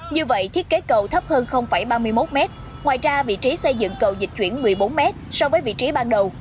như vậy thiết kế cầu thấp hơn ba mươi một m ngoài ra vị trí xây dựng cầu dịch chuyển một mươi bốn mét so với vị trí ban đầu